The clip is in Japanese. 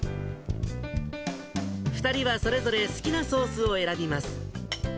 ２人はそれぞれ好きなソースを選びます。